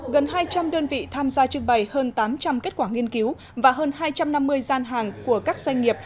gần hai trăm linh đơn vị tham gia trưng bày hơn tám trăm linh kết quả nghiên cứu và hơn hai trăm năm mươi gian hàng của các doanh nghiệp